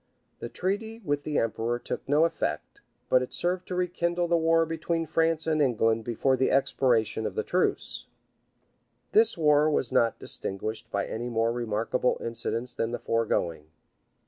The treaty with the emperor took no effect; but it served to rekindle the war between France and England before the expiration of the truce. [* Rymer, vol. i. p. 88, 102.] This war was not distinguished by any more remarkable incidents than the foregoing.